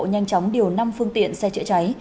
nhanh chóng điều năm phương tiện xe trị cháy